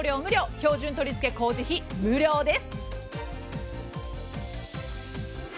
標準取りつけ工事費無料です。